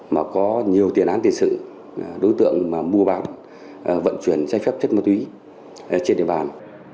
mà có nhiều tiền án tiền sự đối tượng mua bán vận chuyển dây phép chất ma túy trên địa bàn